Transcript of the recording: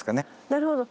なるほど。